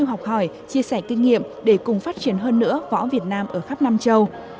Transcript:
học hỏi chia sẻ kinh nghiệm để cùng phát triển hơn nữa võ việt nam ở khắp nam châu